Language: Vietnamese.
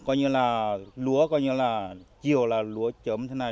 coi như là lúa coi như là chiều là lúa chớm thế này